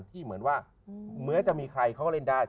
เหมือนว่าเหมือนจะมีใครเขาก็เล่นได้